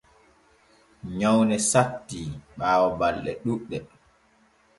Nyawne satti ɓaawo balɗe ɗuuɗɗe.